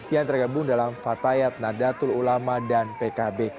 yang tergabung dalam fatayat nada tul ulama dan pkb